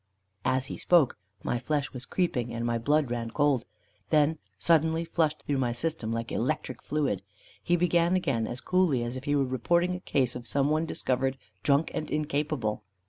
As he spoke my flesh was creeping, and my blood ran cold, then suddenly flushed through my system like electric fluid. He began again as coolly as if he were reporting a case of some one discovered "drunk and incapable."